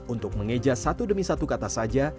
untuk mengeja satu demi satu kata saja